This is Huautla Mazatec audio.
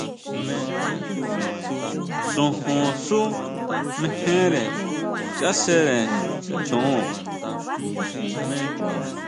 Xojón xú mejere chasjere chon.